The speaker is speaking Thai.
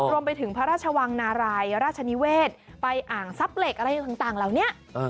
รวมไปถึงพระราชวังนารายราชนิเวศไปอ่างซับเหล็กอะไรต่างเหล่านี้